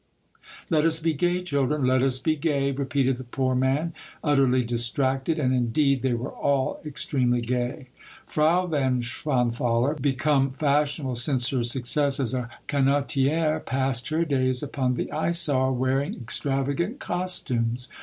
" Let us be gay, chil dren, let us be gay !" repeated the poor man, utterly distracted, and, indeed, they were all ex tremely gay. Frau von Schwanthaler, become fashionable since her success as a canotierey passed her days upon the Isar, wearing extravagant cos tumes.